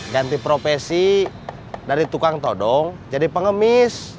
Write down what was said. ganti profesi dari tukang todong jadi pengemis